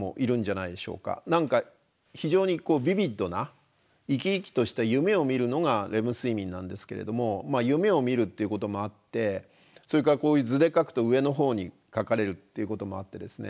何か非常にビビッドな生き生きとした夢を見るのがレム睡眠なんですけれども夢を見るっていうこともあってそれからこういう図で描くと上のほうに描かれるっていうこともあってですね